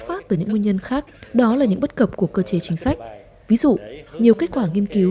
phát từ những nguyên nhân khác đó là những bất cập của cơ chế chính sách ví dụ nhiều kết quả nghiên cứu